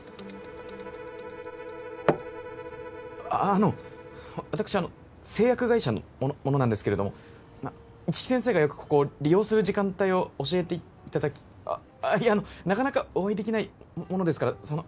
あの私あの製薬会社の者なんですけれども一木先生がよくここを利用する時間帯を教えていただきあっいやあのなかなかお会いできないものですからその。